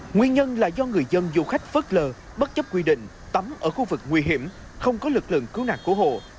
nguyên nhân là do người dân du khách phớt lờ bất chấp quy định tắm ở khu vực nguy hiểm không có lực lượng cứu nạn cứu hộ